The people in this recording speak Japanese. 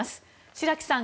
白木さん